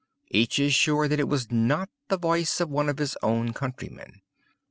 Each is sure that it was not the voice of one of his own countrymen.